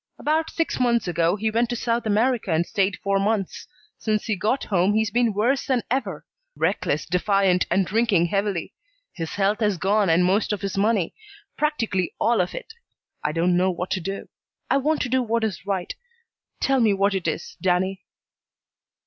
About six months ago he went to South America and stayed four months. Since he got home he's been worse than ever reckless, defiant, and drinking heavily. His health has gone and most of his money; practically all of it. I don't know what to do. I want to do what is right. Tell me what it is, Danny."